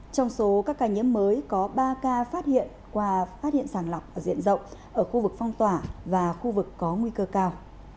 trong số các ca nhiễm mới có ba ca phát hiện qua phát hiện sàng lọc ở diện rộng ở khu vực phong tỏa và khu vực có nguy cơ cao